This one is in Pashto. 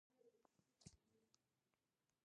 د ننګرهار په دره نور کې د قیمتي ډبرو نښې دي.